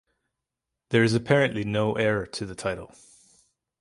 There is apparently no heir to the title.